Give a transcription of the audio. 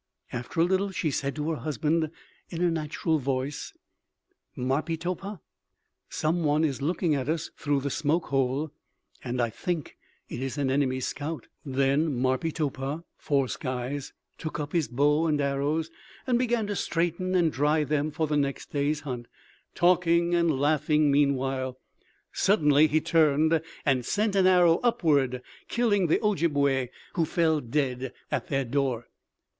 "After a little she said to her husband in a natural voice: 'Marpeetopah, some one is looking at us through the smoke hole, and I think it is an enemy's scout.' "Then Marpeetopah (Four skies) took up his bow and arrows and began to straighten and dry them for the next day's hunt, talking and laughing meanwhile. Suddenly he turned and sent an arrow upward, killing the Ojibway, who fell dead at their door.